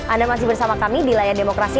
anda masih bersama kami di layar demokrasi